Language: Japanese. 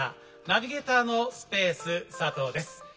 ナビゲーターのスペース佐藤です。